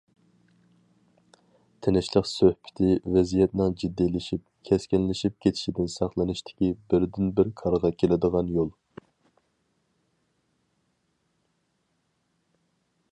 تىنچلىق سۆھبىتى ۋەزىيەتنىڭ جىددىيلىشىپ، كەسكىنلىشىپ كېتىشىدىن ساقلىنىشتىكى بىردىنبىر كارغا كېلىدىغان يول.